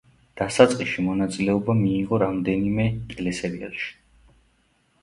დასაწყისში მონაწილეობა მიიღო რამდენიმე ტელესერიალში.